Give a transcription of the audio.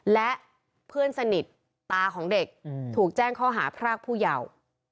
และเพื่อนสนิทตาของเด็กถูกแจ้งข้อหาพรากผู้เยาว์